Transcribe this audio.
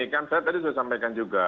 kan saya tadi sudah sampaikan juga